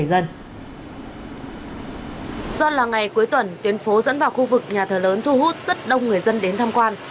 do là ngày cuối tuần tuyến phố dẫn vào khu vực nhà thờ lớn thu hút rất đông người dân đến tham quan